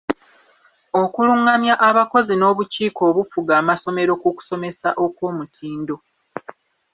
Okulungamya abakozi n'obukiiko obufuga amasomero ku kusomesa okw'omutindo.